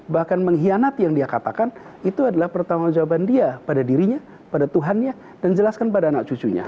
bahkan mengkhianati yang dia katakan itu adalah pertanggung jawaban dia pada dirinya pada tuhannya dan jelaskan pada anak cucunya